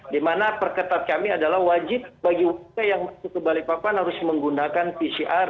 di mana perketat kami adalah wajib bagi warga yang masuk ke balikpapan harus menggunakan pcr